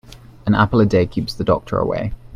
An apple a day keeps the doctor away.